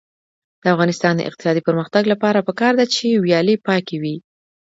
د افغانستان د اقتصادي پرمختګ لپاره پکار ده چې ویالې پاکې وي.